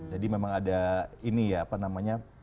memang ada ini ya apa namanya